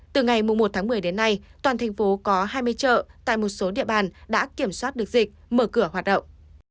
từ ngày một tháng một mươi đến nay toàn thành phố có hai mươi chợ tại một số địa bàn đã kiểm soát được dịch mở cửa hoạt động